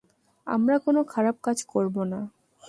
আমরা কোনো খারাপ কাজ করব না।